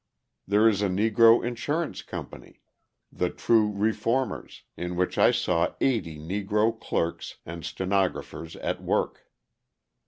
There is a Negro insurance company, "The True Reformers," in which I saw eighty Negro clerks and stenographers at work.